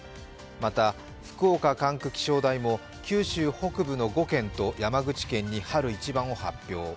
また福岡管区気象台も九州北部の５県と山口県に春一番を発表。